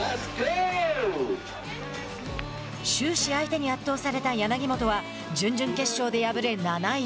終始、相手に圧倒された柳本は準々決勝で敗れ、７位。